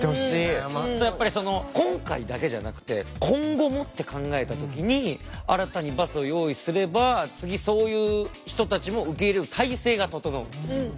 やっぱり今回だけじゃなくて今後もって考えた時に新たにバスを用意すれば次そういう人たちも受け入れる体制が整う。